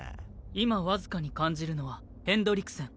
今僅かに感じるのはヘンドリクセン。